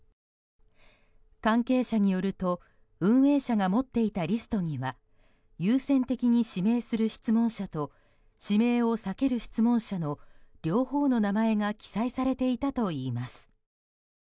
関係者によると運営者が持っていたリストには優先的に指名する質問者と指名を避ける質問者の両方の名前が記載されていたといいます。